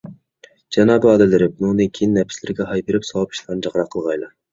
جانابىي ئالىيلىرى، بۇندىن كېيىن نەپسىلىرىگە ھاي بېرىپ ساۋاب ئىشلارنى جىقراق قىلغايلا.